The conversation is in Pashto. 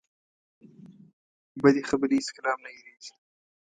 بدې خبرې هېڅکله هم نه هېرېږي.